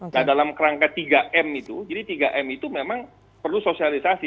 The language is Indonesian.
nah dalam kerangka tiga m itu jadi tiga m itu memang perlu sosialisasi